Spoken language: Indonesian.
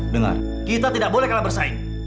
dengar kita tidak boleh kalah bersaing